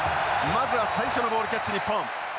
まずは最初のボールキャッチ日本。